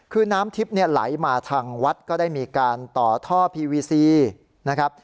คือน้ำทิพย์เนี่ยไหลมาทางวัดก็ได้มีการต่อท่อพีวีซีนะครับ